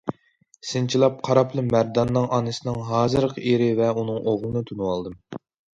سىنچىلاپ قاراپلا مەرداننىڭ ئانىسىنىڭ ھازىرقى ئېرى ۋە ئۇنىڭ ئوغلىنى تونۇۋالدىم.